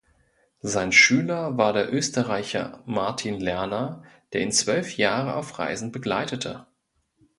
Sein Schüler war der Österreicher "Martin Lerner", der ihn zwölf Jahre auf Reisen begleitete.